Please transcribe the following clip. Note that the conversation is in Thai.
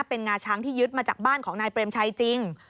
เป็นงาช้างที่ยึดมาจากบ้านของนายเปรมชัยจริง